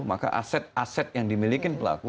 maka aset aset yang dimiliki pelaku